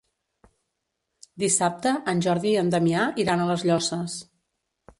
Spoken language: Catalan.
Dissabte en Jordi i en Damià iran a les Llosses.